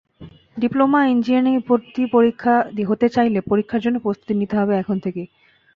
Diploma ইঞ্জিনিয়ারিংয়ে ভর্তি হতে চাইলে পরীক্ষার জন্য প্রস্তুতি নিতে হবে এখন থেকেই।